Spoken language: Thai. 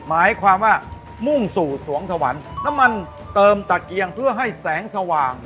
หมายความว่ามุ่งสู่สวงสวรรค์น้ำมันเติมตะเกียงเพื่อให้แสงสว่าง